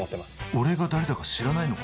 俺が誰だか知らないの？